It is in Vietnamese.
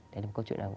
thế nên câu chuyện là